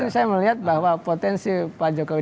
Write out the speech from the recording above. saya melihat bahwa potensi pak jokowi